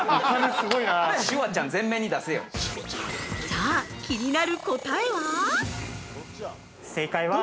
◆さあ、気になる答えは！？